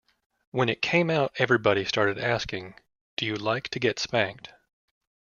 When it came out everybody started asking, 'Do you like to get spanked?